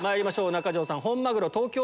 中条さん。